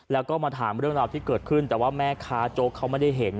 แล้วก็มาถามเรื่องราวที่เกิดขึ้นแต่ว่าแม่ค้าโจ๊กเขาไม่ได้เห็น